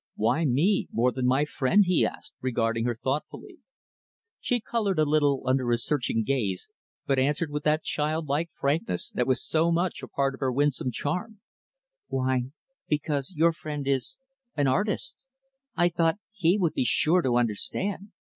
"Why me, more than my friend?" he asked, regarding her thoughtfully. She colored a little under his searching gaze, but answered with that childlike frankness that was so much a part of her winsome charm, "Why, because your friend is an artist I thought he would be sure to understand.